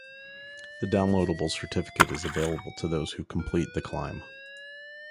A downloadable certificate is available to those who complete the climb.